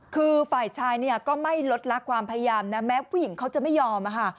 คือฝ่ายชายเนี่ยก็ไม่ลดลักความพยายามนะแม้ผู้หญิงเขาจะไม่ยอม